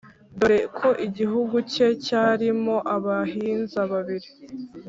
dore ko igihugu cye cyarimoabahinza babiri,